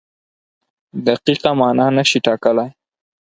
دقیقه مانا نشي ټاکلی.